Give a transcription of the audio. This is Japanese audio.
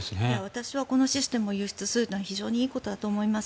私はこのシステムを輸出するのはいいことだと思います。